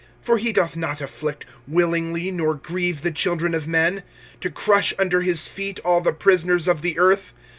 25:003:033 For he doth not afflict willingly nor grieve the children of men. 25:003:034 To crush under his feet all the prisoners of the earth.